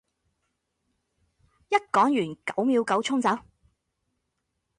一講完九秒九衝走